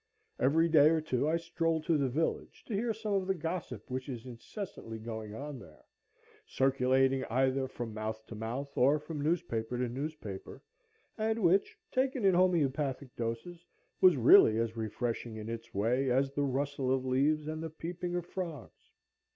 Every day or two I strolled to the village to hear some of the gossip which is incessantly going on there, circulating either from mouth to mouth, or from newspaper to newspaper, and which, taken in homœopathic doses, was really as refreshing in its way as the rustle of leaves and the peeping of frogs.